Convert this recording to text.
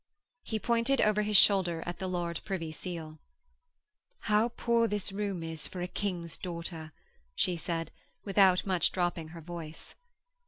He pointed over his shoulder at the Lord Privy Seal. 'How poor this room is, for a King's daughter!' she said, without much dropping her voice.